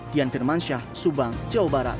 dian firmansyah subang jawa barat